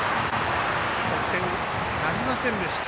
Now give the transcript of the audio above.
得点なりませんでした。